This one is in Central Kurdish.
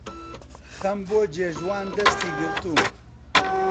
خەم بۆ جێژوان دەستی گرتووم